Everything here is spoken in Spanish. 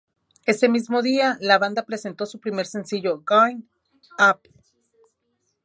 Ese mismo día, la banda presentó su primer sencillo, "Going Up".